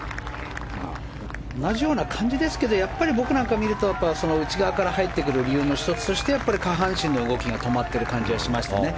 同じような感じですけど僕なんかが見ると内側から入ってくる理由の１つとして下半身の動きが止まっている感じはしましたね。